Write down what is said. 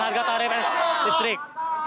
harga tarif listrik